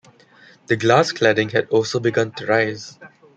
The glass cladding had also begun to rise.